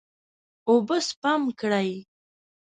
اوبه سپم کړئ.